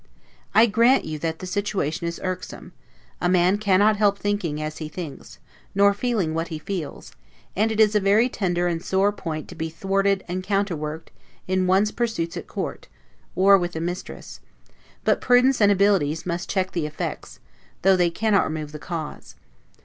I grant you that the situation is irksome; a man cannot help thinking as he thinks, nor feeling what he feels; and it is a very tender and sore point to be thwarted and counterworked in one's pursuits at court, or with a mistress; but prudence and abilities must check the effects, though they cannot remove the cause.